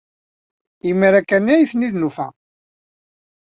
Imir-a kan ay ten-id-nufa.